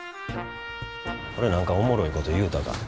俺何かおもろいこと言うたか？